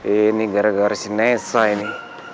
ini gara gara si nessa ini